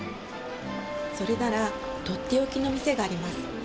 それならとっておきの店があります。